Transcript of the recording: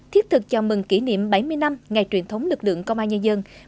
ký thực chào mừng kỷ niệm bảy mươi năm ngày truyền thống lực lượng công an nhà dân